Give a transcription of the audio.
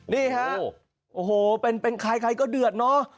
นี่ครับโอ้โหเป็นใครก็เดือดเนาะ